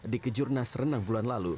di kejurnas renang bulan lalu